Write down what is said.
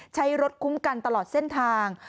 ใช้รถคุ้มกันตลอดเส้นทาง